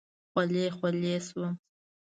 خولې خولې شوم.